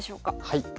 はい。